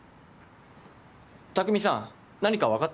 匠さん何か分かった？